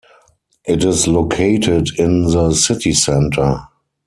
It is located in the city center.